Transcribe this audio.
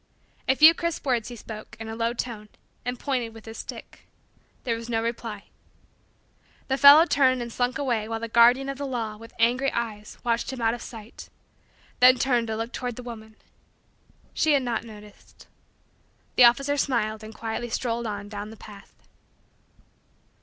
A few crisp words he spoke, in a low tone, and pointed with his stick. There was no reply. The fellow turned and slunk away while the guardian of the law, with angry eyes, watched him out of sight, then turned to look toward the woman. She had not noticed. The officer smiled and quietly strolled on down the path.